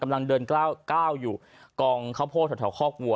นางเดินก้าวอยู่กองเข้าโพดแถวครอบครัว